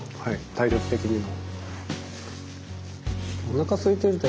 体力的にも。